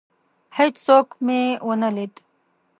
هیڅوک مي ونه لید.